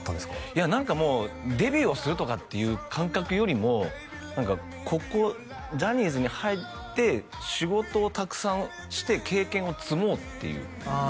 いや何かもうデビューをするとかっていう感覚よりも何かここジャニーズに入って仕事をたくさんして経験を積もうっていうああ